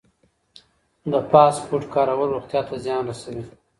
د فاسټ فوډ کارول روغتیا ته زیان رسوي.